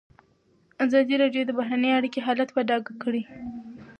ازادي راډیو د بهرنۍ اړیکې حالت په ډاګه کړی.